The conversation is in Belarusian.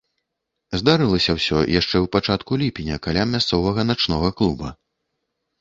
Здарылася ўсё яшчэ ў пачатку ліпеня каля мясцовага начнога клуба.